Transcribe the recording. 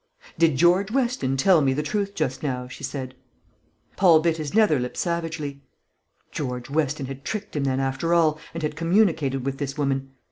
"Did George Weston tell me the truth just now?" she said. Paul bit his nether lip savagely. George Weston had tricked him, then, after all, and had communicated with this woman.